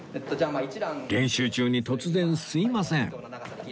練習中に突然すいません